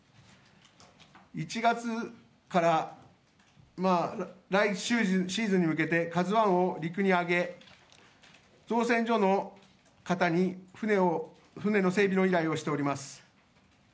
１月から、来シーズンに向けて「ＫＡＺＵⅠ」を陸に上げ、造船所の方に船の整備の依頼をしております。